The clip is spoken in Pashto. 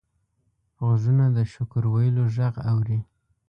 غوږونه د شکر ویلو غږ اوري